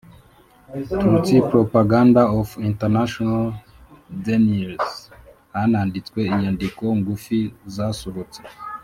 Tutsi Propaganda of international deniers Hananditswe inyandiko ngufi zasohotse